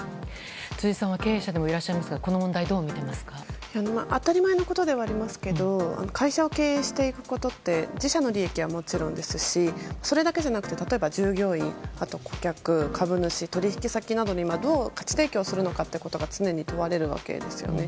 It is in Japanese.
辻さんは経営者でもいらっしゃいますが当たり前のことではありますが会社を経営していくことって自社の利益はもちろんですしそれだけじゃなくて例えば、従業員あとは顧客、株主、取引先などにどう価値提供するのかが常に問われるわけですよね。